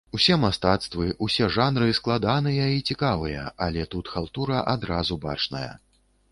Усе мастацтвы, усе жанры складаныя і цікавыя, але тут халтура адразу бачная.